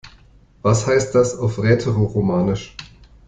Was heißt das auf Rätoromanisch?